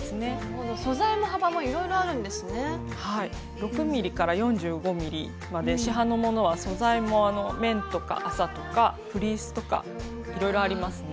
６ｍｍ４５ｍｍまで市販のものは素材も綿とか麻とかフリースとかいろいろありますね。